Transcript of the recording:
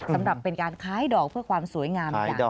สำหรับเป็นการคล้ายดอกเพื่อความสวยงามอย่าง